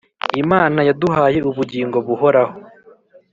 Imana yaduhaye ubugingo buhoraho,